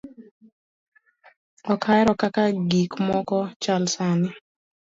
ok ahero kaka gik moko chal sani'